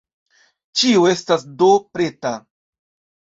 Ĉio estas do preta.